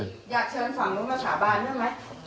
อยากเชิญฝังลงมาสาบานด้วยไหม